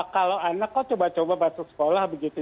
kalau anak kok coba coba masuk sekolah begitu